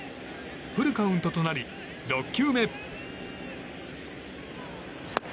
フルカウントとなり６球目。